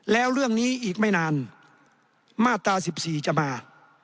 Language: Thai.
แล้วเรื่องนี้อีกไม่นานมาตรา๑๔จะมา